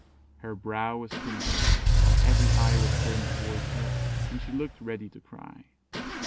Her brow was crimson every eye was turned towards her, and she looked ready to cry.